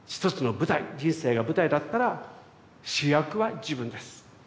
人生が舞台だったら主役は自分です。